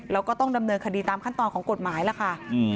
แล้วก็ต้องดำเนินคดีตามขั้นตอนของกฎหมายล่ะค่ะ